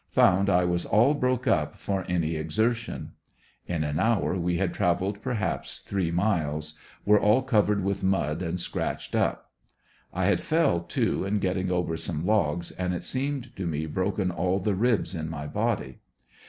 Found I was all broke up for any exertion. In an hour we had traveled perhaps three miles, were all covered with mud, and scratched up. I had fell, too, in getting over some logs, and it seemed to me broken all the ribs in my body.